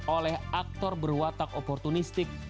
oleh aktor berwatak oportunistik